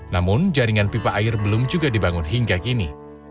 namun jaringan pipa air belum juga dibangun hingga kini